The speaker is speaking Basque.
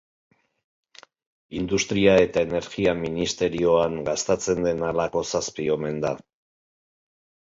Industria eta Energia ministerioan gastatzen den halako zazpi omen da.